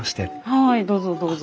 はいどうぞどうぞ。